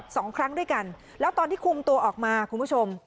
สองครั้งด้วยกันแล้วตอนที่คุมตัวออกมาคุณผู้ชม